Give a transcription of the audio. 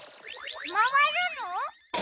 まわるの？